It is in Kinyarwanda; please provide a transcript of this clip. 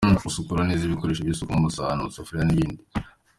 Gusukura neza ibikoresho by’isuku nk’amasahane, amasafuriya n’ibindi.